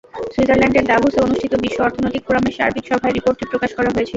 সুইজারল্যান্ডের দাভোসে অনুষ্ঠিত বিশ্ব অর্থনৈতিক ফোরামের বার্ষিক সভায় রিপোর্টটি প্রকাশ করা হয়েছিল।